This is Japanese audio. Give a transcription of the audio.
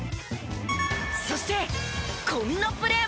そしてこんなプレーも。